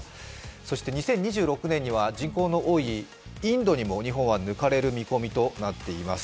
そして２０２６年には人口の多いインドにも日本は抜かれる見込みとなっています。